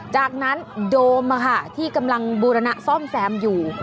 จากนั้นโดมที่กำลังบูรณะซ่อมแซมอยู่